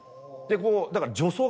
こうだから。